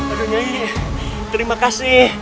aduh nyai terima kasih